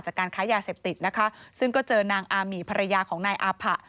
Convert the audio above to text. การค้ายาเสพติดนะคะซึ่งก็เจอนางอามีภรรยาของนายอาผะ